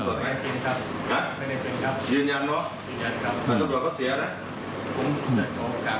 เพราะว่าสปีศสมัยะนั้นช่วยเกินที่ครับ